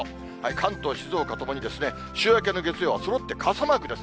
関東、静岡ともに、週明けの月曜、そろって傘マークです。